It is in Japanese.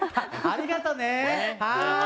ありがとう。